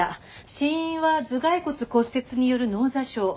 死因は頭蓋骨骨折による脳挫傷。